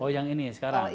oh yang ini sekarang